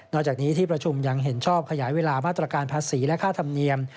จากนี้ที่ประชุมยังเห็นชอบขยายเวลามาตรการภาษีและค่าธรรมเนียม